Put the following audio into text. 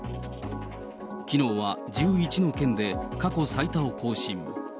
きのうは１１の県で過去最多を更新。